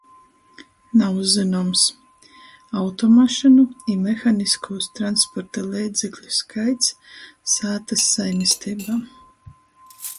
Nav zynoms. Automašynu i mehaniskūs transporta leidzekļu skaits sātys saimisteibā.